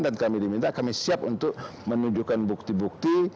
dan kami diminta kami siap untuk menunjukkan bukti bukti